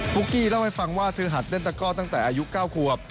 ุ๊กกี้เล่าให้ฟังว่าเธอหัดเล่นตะก้อตั้งแต่อายุ๙ขวบ